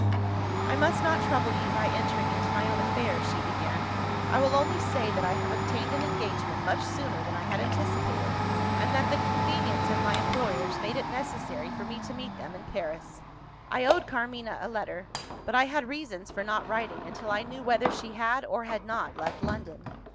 "I must not trouble you by entering into my own affairs," she began. "I will only say that I have obtained an engagement much sooner than I had anticipated, and that the convenience of my employers made it necessary for me to meet them in Paris. I owed Carmina a letter; but I had reasons for not writing until I knew whether she had, or had not, left London.